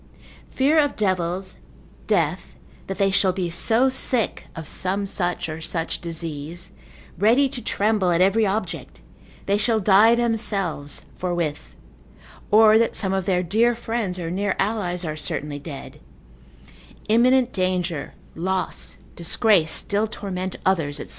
Fear of devils, death, that they shall be so sick, of some such or such disease, ready to tremble at every object, they shall die themselves forthwith, or that some of their dear friends or near allies are certainly dead; imminent danger, loss, disgrace still torment others, &c.